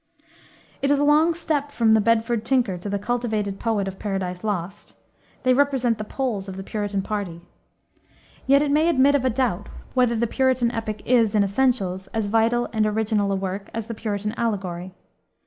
It is a long step from the Bedford tinker to the cultivated poet of Paradise Lost. They represent the poles of the Puritan party. Yet it may admit of a doubt, whether the Puritan epic is, in essentials, as vital and original a work as the Puritan allegory.